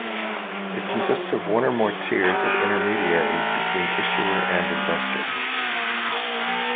It consists of one or more tiers of intermediaries between issuer and investor.